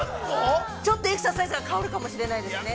ちょっとエクササイズは香るかもしれないですね。